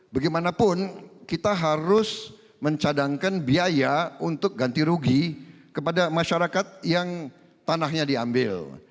bagaimanapun kita harus mencadangkan biaya untuk ganti rugi kepada masyarakat yang tanahnya diambil